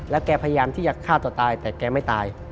แกพยายามที่จะฆ่าตัวตายแต่แกไม่ตาย